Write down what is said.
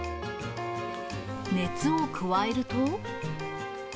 熱を加えると。